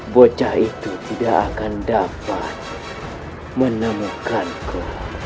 bocah itu tidak akan dapat menemukanku